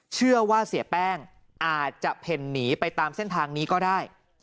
เชื่อว่าเสียแป้งอาจจะเพ่นหนีไปตามเส้นทางนี้ก็ได้